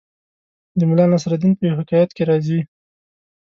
د ملا نصرالدین په یوه حکایت کې راځي